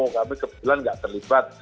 kami kebetulan nggak terlibat